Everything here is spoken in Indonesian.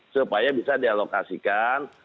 supaya bisa dialokasikan